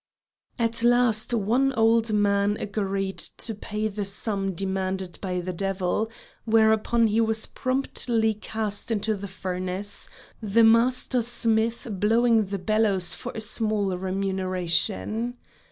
At last one old man agreed to pay the sum demanded by the devil, whereupon he was promptly cast into the furnace, the master smith blowing the bellows for a small remuneration.